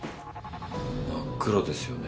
真っ黒ですよね。